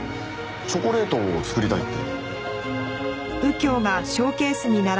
チョコレートを作りたいって。